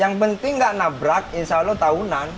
yang penting nggak nabrak insya allah tahunan